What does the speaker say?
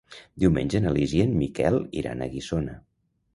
Diumenge na Lis i en Miquel iran a Guissona.